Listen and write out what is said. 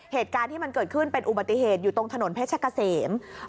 เหตุการณ์ที่มันเกิดขึ้นเป็นอุบัติเหตุอยู่ตรงถนนเพชรกะเสม